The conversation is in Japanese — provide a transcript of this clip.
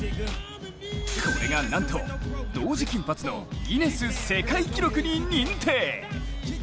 これがなんと、同時金髪のギネス世界記録に認定。